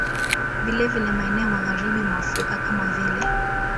Vilevile maeneo ya Magharibi mwa Afrika kama vile